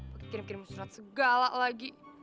berpikir pikir mau surat segala lagi